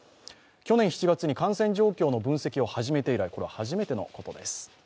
去年７月に感染状況の分析を始めて以来これは初めてのことです。